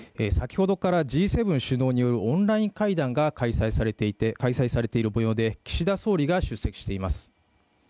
先ほどからＧ７首脳によるオンライン会談が開催されているもようで岸田総理が出席しています。